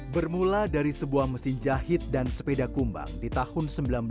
bermula dari sebuah mesin jahit dan sepeda kumbang di tahun seribu sembilan ratus sembilan puluh